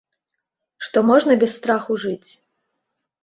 Што можна без страху жыць.